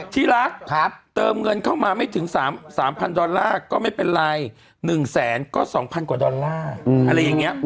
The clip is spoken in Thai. ที่รักเติมเงินเข้ามาไม่ถึง๓๐๐๐ดอลลาร์ก็ไม่เป็นไร๑แสนก็๒๐๐๐กว่าดอลลาร์